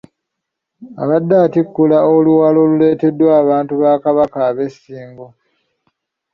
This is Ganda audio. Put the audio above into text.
Abadde atikkula oluwalo oluleeteddwa abantu ba Kabaka ab'e Ssingo .